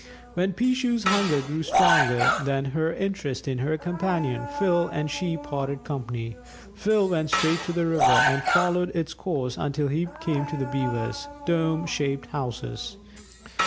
When "Peeshoo's" hunger grew stronger than her interest in her companion, Phil and she parted company. Phil went straight to the river, and followed its course until he came to the Beavers' dome shaped houses.